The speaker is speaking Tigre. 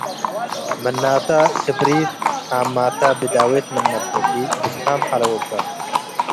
ምናተ፣ ስብሪት ዓ ».ማተ ብዳዌት ምንመ ትገብእ ብዝሓም ሐለው እበ ።